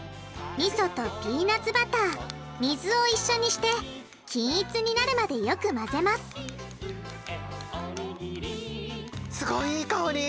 みそとピーナツバター水を一緒にして均一になるまでよく混ぜますいい香り？